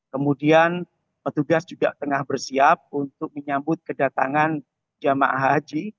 kemudian petugas juga tengah bersiap untuk menyambut kedatangan jemaah haji